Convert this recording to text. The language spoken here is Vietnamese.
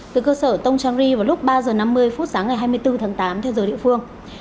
từ cơ sở tông trang ri vào lúc ba h năm mươi phút sáng ngày hai mươi bốn tháng tám theo giờ địa phương